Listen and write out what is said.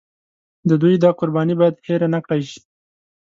د دوی دا قرباني باید هېره نکړای شي.